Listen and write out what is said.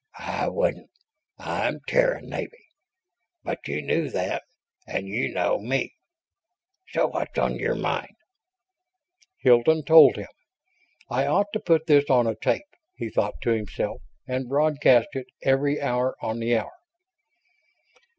"I wouldn't. I'm Terran Navy. But you knew that and you know me. So what's on your mind?" Hilton told him. I ought to put this on a tape, he thought to himself, and broadcast it every hour on the hour.